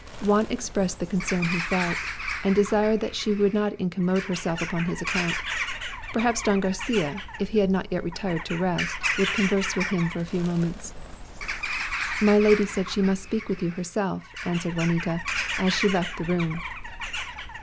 Juan expressed the concern he felt, and desired that she would not incommode herself upon his account. Perhaps Don Garçia, if he had not yet retired to rest, would converse with him for a few moments. "My lady said she must speak with you herself," answered Juanita, as she left the room.